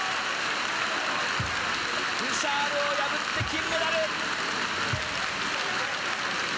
ブシャールを破って金メダル！